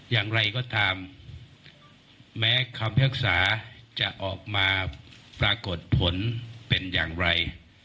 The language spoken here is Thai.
อย่างไรก็ตามแม้คำพิพากษาจะออกมาปรากฏผลเป็นอย่างไร